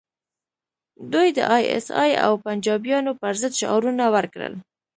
دوی د ای ایس ای او پنجابیانو پر ضد شعارونه ورکړل